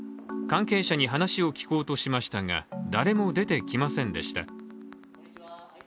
関係者に話を聞こうとしましたが、誰も出てきませんでした。